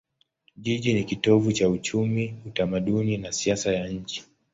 Jiji ni kitovu cha uchumi, utamaduni na siasa ya nchi.